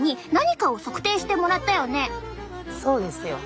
そうですよ。